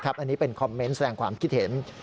อันนี้เป็นคอมเมนต์แสดงความคิดเห็น